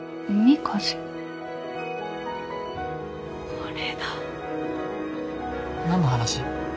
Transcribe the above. これだ。何の話？